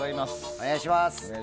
お願いします。